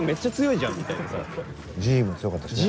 じいも強かったしね。